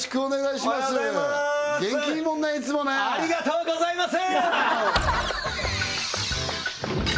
おはようございます元気いいもんねいつもねありがとうございます！